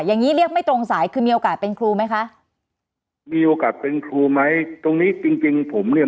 งี้เรียกไม่ตรงสายคือมีโอกาสเป็นครูไหมคะมีโอกาสเป็นครูไหมตรงนี้จริงจริงผมเนี่ย